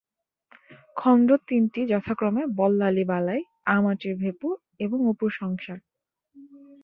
খণ্ড তিনটি যথাক্রমে বল্লালী বালাই, আম-আঁটির ভেঁপু এবং অপুর সংসার।